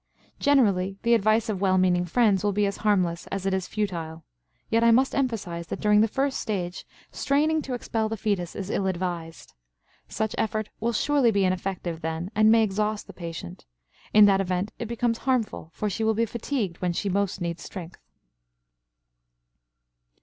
Generally the advice of well meaning friends will be as harmless as it is futile, yet I must emphasize that during the first stage straining to expel the fetus is ill advised. Such effort will surely be ineffective then and may exhaust the patient; in that event it becomes harmful, for she will be fatigued when she most needs strength.